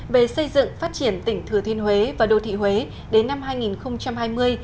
về xây dựng phát triển tỉnh thừa thiên huế và đô thị huế đến năm hai nghìn hai mươi